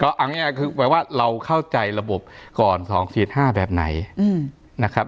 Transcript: ก็อันนี้คือว่าเราเข้าใจระบบก่อน๒๕แบบไหนนะครับ